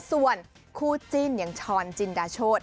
ส่วนคู่จิ้นอย่างช้อนจินดาโชธ